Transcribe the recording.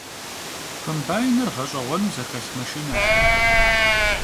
Kombaynır ğeş'eğuenu zexelh maşşineş.